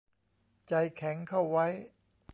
ใจแข็งเข้าไว้